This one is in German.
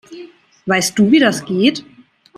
Weißt du, wie das geht?